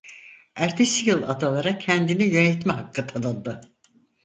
Ertesi yıl adalara kendini yönetme hakkı tanındı.